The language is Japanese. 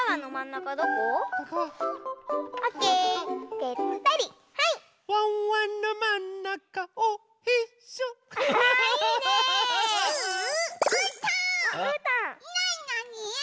なになに？